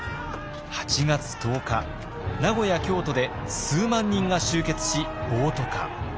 ８月１０日名古屋京都で数万人が集結し暴徒化。